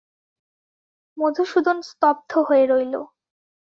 মধুসূদন স্তব্ধ হয়ে রইল।